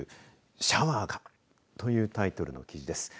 シャワーがというタイトルの記事です。